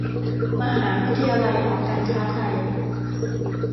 มหาวิทยาลัยหอการค้าไทย